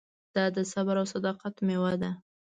دا د صبر او صداقت مېوه ده.